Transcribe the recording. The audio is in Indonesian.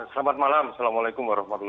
selamat malam assalamualaikum wr wb